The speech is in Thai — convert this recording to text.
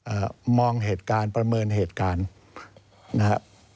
เอ่อมองเหตุการณ์ประเมินเหตุการณ์นะครับ